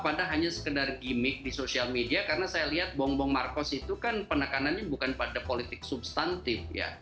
pada hanya sekedar gimmick di social media karena saya lihat bongbong marcos itu kan penekanannya bukan pada politik substantif ya